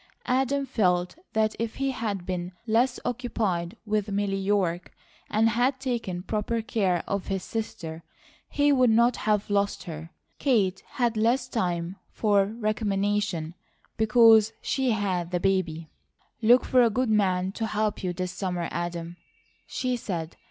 Adam felt that if he had been less occupied with Milly York and had taken proper care of his sister, he would not have lost her. Kate had less time for recrimination, because she had the baby. "Look for a good man to help you this summer, Adam," she said.